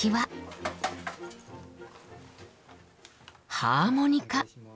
ハーモニカ。